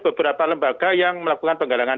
beberapa lembaga yang melakukan penggalangan